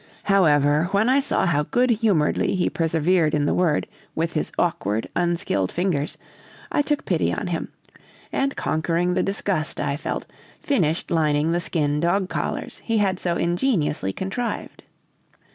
"However, when I saw how good humoredly he persevered in the work with his awkward, unskilled fingers, I took pity on him, and conquering the disgust I felt, finished lining the skin dog collars he had so ingeniously contrived.